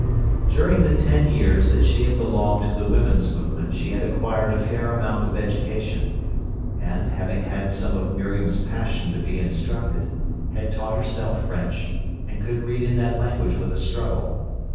During the ten years that she had belonged to the women's movement she had acquired a fair amount of education, and, having had some of Miriam's passion to be instructed, had taught herself French, and could read in that language with a struggle.